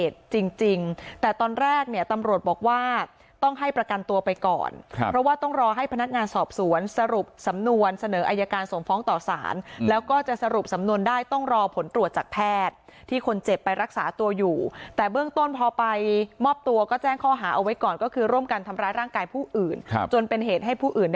แต่ตอนแรกเนี่ยตำรวจบอกว่าต้องให้ประกันตัวไปก่อนครับเพราะว่าต้องรอให้พนักงานสอบสวนสรุปสำนวนเสนออายการส่งฟ้องต่อสารแล้วก็จะสรุปสำนวนได้ต้องรอผลตรวจจากแพทย์ที่คนเจ็บไปรักษาตัวอยู่แต่เบื้องต้นพอไปมอบตัวก็แจ้งข้อหาเอาไว้ก่อนก็คือร่วมกันทำร้ายร่างกายผู้อื่นจนเป็นเหตุให้ผู้อื่น